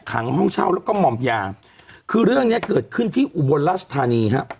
ขังห้องเช่าแล้วก็หม่อมยาคือเรื่องเนี้ยเกิดขึ้นที่อุบลราชธานีฮะ